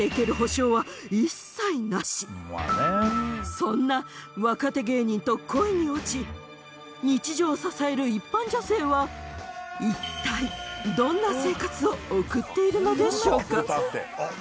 そんな若手芸人と恋に落ち日常を支える一般女性は一体どんな生活を送っているのでしょうか？